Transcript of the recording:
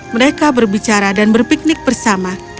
mereka berbicara dan berpiknik bersama